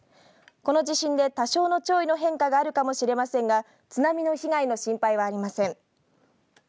この地震で多少の潮位の変化があるかもしれませんが津波の被害の心配はありません。